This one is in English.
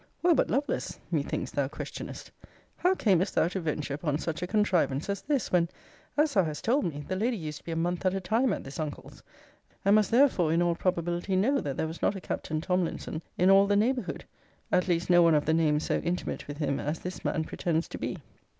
'Well, but, Lovelace, (methinks thou questionest,) how camest thou to venture upon such a contrivance as this, when, as thou hast told me, the Lady used to be a month at a time at this uncle's; and must therefore, in all probability, know, that there was not a Captain Tomlinson in all the neighbourhood, at least no one of the name so intimate with him as this man pretends to be?'